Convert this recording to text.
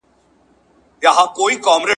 دنيا په امېد خوړله کېږي.